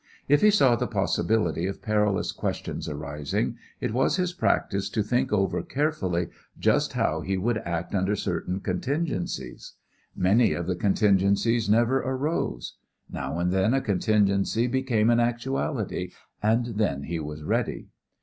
If he saw the possibility of perilous questions arising, it was his practice to think over carefully just how he would act under certain contingencies Many of the contingencies never arose. Now and then a contingency became an actuality, and then he was ready.